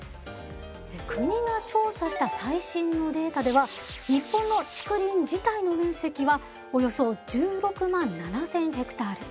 国が調査した最新のデータでは日本の竹林自体の面積はおよそ１６万７，０００ヘクタール。